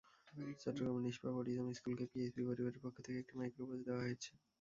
চট্টগ্রামের নিষ্পাপ অটিজম স্কুলকে পিএইচপি পরিবারের পক্ষ থেকে একটি মাইক্রোবাস দেওয়া হয়েছে।